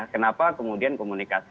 kenapa kemudian komunikasi